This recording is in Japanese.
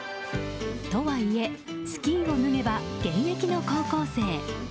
とはいえスキーを脱げば現役の高校生。